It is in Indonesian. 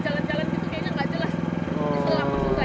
jalan jalan gitu kayaknya nggak jelas